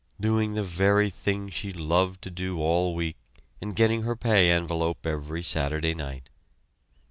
Doing the very thing she loved to do all week and getting her pay envelope every Saturday night.